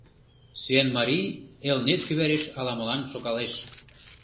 Сӱанмарий Элнет кӱвареш ала-молан шогалеш.